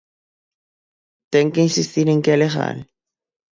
¿Ten que insistir en que é legal?